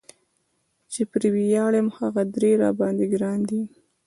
چې پرې وياړم هغه درې را باندي ګران دي